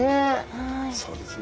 そうですね。